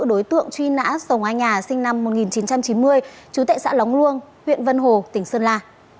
đối tượng truy nã sồng anh nhà sinh năm một nghìn chín trăm chín mươi chú tệ xã lóng luông huyện vân hồ tỉnh sơn la